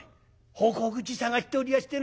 「奉公口探しておりやしてな」。